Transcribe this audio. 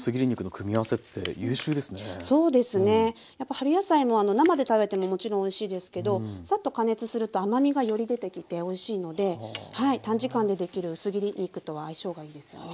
春野菜も生で食べてももちろんおいしいですけどサッと加熱すると甘みがより出てきておいしいので短時間でできる薄切り肉とは相性がいいですね。